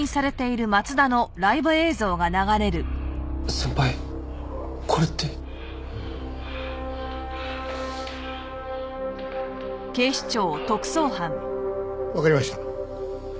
先輩これって。わかりました。